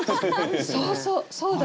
そうそうそうです。